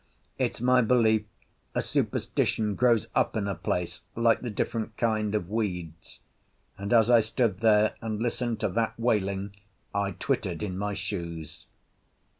It's my belief a superstition grows up in a place like the different kind of weeds; and as I stood there and listened to that wailing I twittered in my shoes.